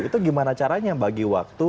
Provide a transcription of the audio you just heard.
itu gimana caranya bagi waktu